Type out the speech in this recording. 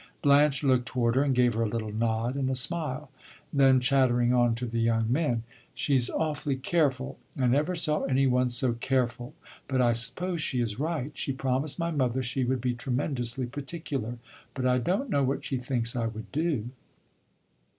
Blanche looked toward her and gave her a little nod and a smile. Then chattering on to the young men "She 's awfully careful. I never saw any one so careful. But I suppose she is right. She promised my mother she would be tremendously particular; but I don't know what she thinks I would do."